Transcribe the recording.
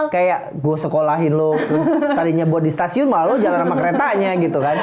kayak gue sekolahin lo tadinya buat di stasiun malu jalan sama keretanya gitu kan